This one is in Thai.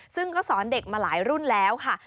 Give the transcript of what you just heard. ซึ่งก็สอนเด็กมาหลายรุ่นแล้วค่ะ